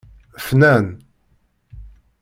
Fnan